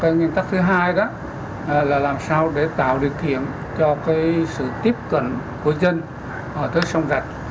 nguyên tắc thứ hai đó là làm sao để tạo điều kiện cho sự tiếp cận của dân tới sông rạch